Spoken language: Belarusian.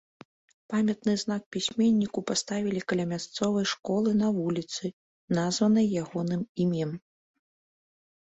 Памятны знак пісьменніку паставілі каля мясцовай школы на вуліцы, названай ягоным імем.